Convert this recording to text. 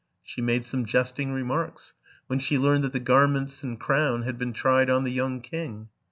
She made some jesting remarks when she learned that the gar ments and crown had been tried on the young king.